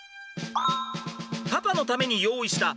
パパのために用意した